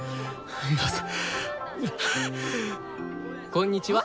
こんにちは。